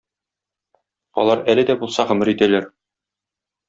Алар әле дә булса гомер итәләр.